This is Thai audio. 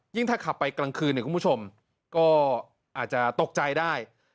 ยิ่งถ้าขับไปกลางคืนก็อาจจะตกใจได้